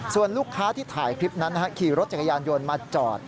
ส่วนลูกค้าที่ถ่ายคลิปนั้นขี่รถจักรยานยนต์มาจอด